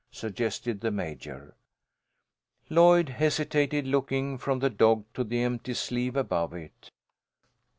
suggested the Major. Lloyd hesitated, looking from the dog to the empty sleeve above it.